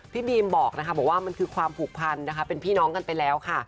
พี่บีมบอกนะคะบอกว่ามันคือความผูกพันนะคะเป็นพี่น้องกันไปแล้วค่ะ